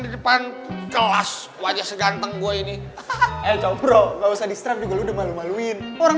di depan kelas wajah seganteng gue ini eh combro gak usah disetrap juga lu udah malu maluin orang